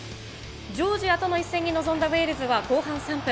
ジョージアとの一戦に臨んだウェールズは後半３分。